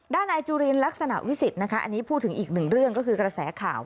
นายจุลินลักษณะวิสิทธิ์นะคะอันนี้พูดถึงอีกหนึ่งเรื่องก็คือกระแสข่าว